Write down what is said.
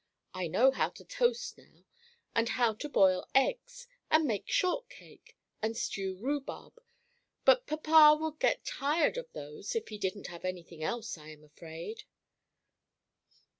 I know how to toast now, and how to boil eggs, and make shortcake, and stew rhubarb, but papa would get tired of those if he didn't have any thing else, I am afraid."